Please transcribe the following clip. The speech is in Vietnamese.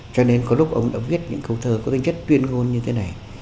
cho nên có lúc ông đã viết những câu thơ có tính chất tuyên ngôn như thế này